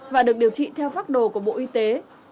và được điều trị theo pháp đồ của bộ y tế